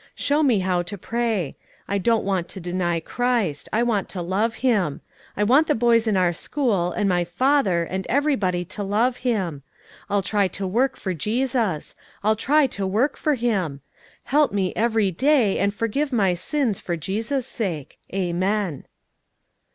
Show me how to pray. I don't want to deny Christ. I want to love Him. I want the boys in our school, and my father, and everybody to love Him. I'll try to work for Jesus. I'll try to work for Him. Help me every day, and forgive my sins for Jesus' sake. Amen."